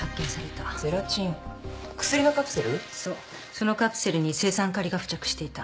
そのカプセルに青酸カリが付着していた。